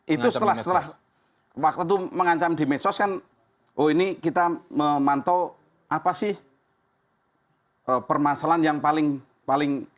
itu setelah setelah waktu itu mengancam di medsos kan oh ini kita memantau apa sih permasalahan yang paling paling